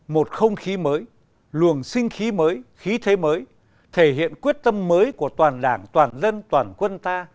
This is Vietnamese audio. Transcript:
một không khí mới luồng sinh khí mới khí thế mới thể hiện quyết tâm mới của toàn đảng toàn dân toàn quân ta